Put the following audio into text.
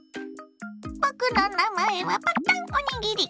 僕の名前はパッタンおにぎり。